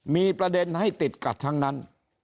มีประเด็นให้ติดกัดทั้งนั้น